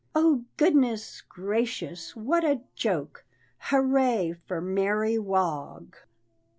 Oh, goodness gracious! what a joke! Hurrah for Mary Wog!"